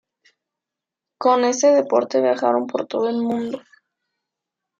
Con ese deporte viajaron por todo el mundo.